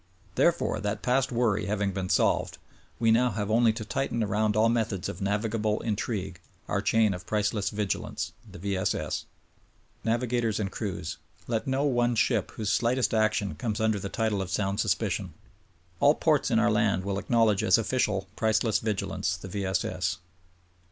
Therefore, that past worry having been solved, we now 'have only to tighten around all methods of navigable intrigue, our chain of priceless vigilance— the V. S. S. Navigators and crews : Let no one ship whose slightest action comes under the title of sound suspicion. All ports in our land will acknowledge as official priceless vigilance — ^the V. S. S.